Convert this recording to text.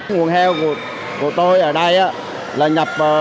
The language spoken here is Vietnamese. nguồn heo của tôi ở đây là nhập